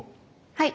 はい。